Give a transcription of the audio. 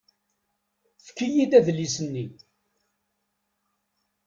Efk-iyi-d adlis-nni.